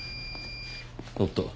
おっと。